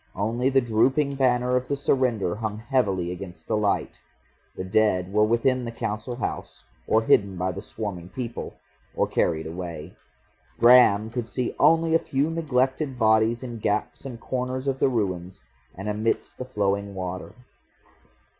Only the drooping banner of the surrender hung heavily against the light. The dead were within the Council House, or hidden by the swarming people, or carried away. Graham could see only a few neglected bodies in gaps and corners of the ruins, and amidst the flowing water.